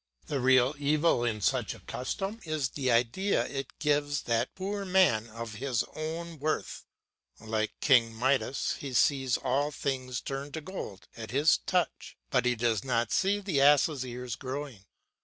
The real evil in such a custom is the idea it gives that poor man of his own worth. Like King Midas he sees all things turn to gold at his touch, but he does not see the ass' ears growing.